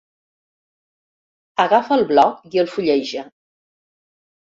Agafa el bloc i el fulleja.